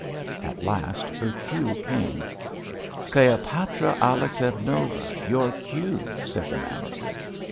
At last her cue came. "Cleopatra Alexeyevna your cue!" said the manager.